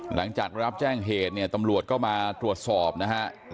หลังจากรับแจ้งเหตุเนี่ยตำรวจก็มาตรวจสิบสามปีนะครับ